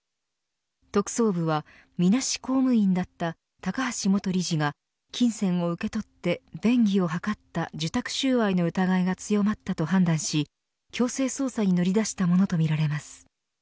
特捜部は、みなし公務員だった高橋元理事が、金銭を受け取って便宜を図った受託収賄の疑いが強まったと判断し強制捜査に乗り出したものとみられます。